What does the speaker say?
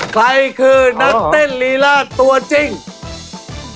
ใครคือนักเต้นหรีร่างตัวจริงหรอ